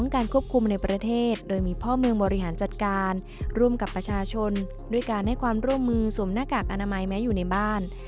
การควบคุมในประเทศโดยมีพ่อเมืองบริหารจัดการร่วมกับประชาชนด้วยการให้ความร่วมมือสวมหน้ากากอนามัยแม้อยู่ในบ้าน